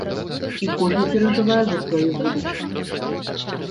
І кожны перажывае за сваю будучыню!